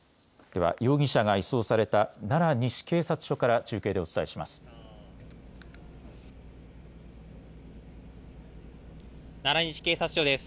では容疑者が移送された奈良西警察署から中継でお伝えします。